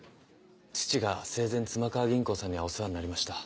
父が生前妻川銀行さんにはお世話になりました。